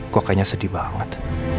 kok kayaknya sedih banget